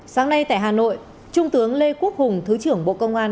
sáng nay tại hà nội trung tướng lê quốc hùng thứ trưởng bộ công an